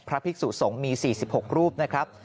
ภิกษุสงฆ์มี๔๖รูปนะครับ